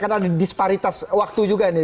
karena ada disparitas waktu juga ini